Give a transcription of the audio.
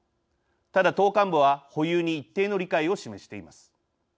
ただ、党幹部は保有に一定の理解を示しています。